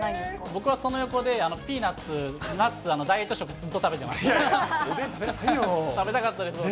僕はその横で、ピーナッツ、ナッツ、ダイエット食、おでん食べてくださいよ。